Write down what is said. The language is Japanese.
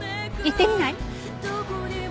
行ってみない？